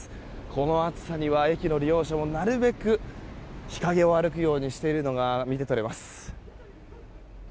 この暑さには、駅の利用者もなるべく日陰を歩くようにしているのが見て取れます。